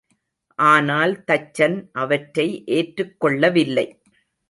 ஆனால் தச்சன் அவற்றை ஏற்றுக் கொள்ளவில்லை.